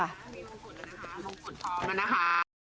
มีมุมปุ่นนะคะมุมปุ่นพร้อมแล้วนะคะ